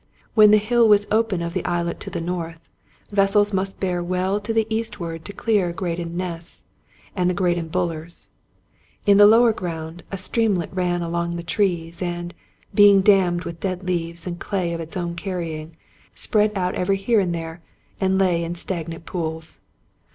When the hill was open of the islet to the north, vessels must bear well to the eastward to clear Graden Ness and the Graden BuUers. In the lower ground, a streamlet ran among the trees, and, being dammed with dead leaves and clay of its own carrying, spread out every here and there, and lay in stagnant pools.